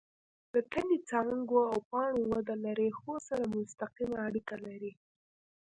د تنې، څانګو او پاڼو وده له ریښو سره مستقیمه اړیکه لري.